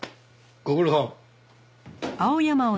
ご苦労さん。